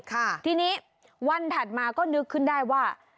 ค่ะทีนี้วันถัดมาก็นึกขึ้นได้ว่า